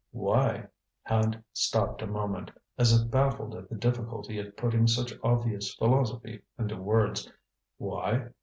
"Why?" Hand stopped a moment, as if baffled at the difficulty of putting such obvious philosophy into words. "Why?